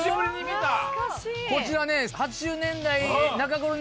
こちらね。